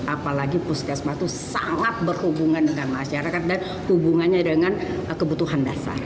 apalagi puskesmas itu sangat berhubungan dengan masyarakat dan hubungannya dengan kebutuhan dasar